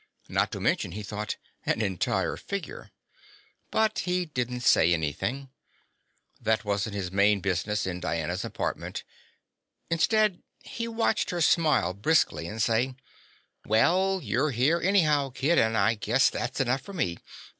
Not to mention, he thought, an entire figure. But he didn't say anything. That wasn't his main business in Diana's apartment. Instead, he watched her smile briskly and say: "Well, you're here, anyhow, kid, and I guess that's enough for me.